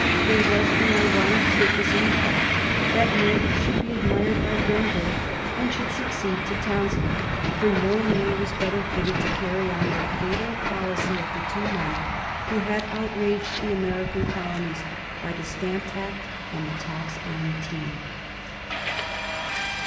There was an ironic fitness in the fact that North should be admired by Grenville and should succeed to Townshend, for no man was better fitted to carry on the fatal policy of the two men who had outraged the American colonies by the Stamp Act and the tax on tea.